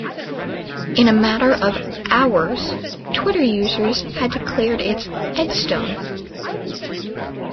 In a matter of hours Twitter users had declared it the "EdStone".